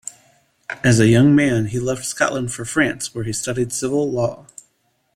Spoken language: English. As a young man, he left Scotland for France, where he studied civil law.